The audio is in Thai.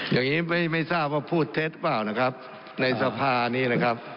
อย่างนี้ไม่ทราบว่าพูดเท็จเปล่านะครับในสภานี้นะครับ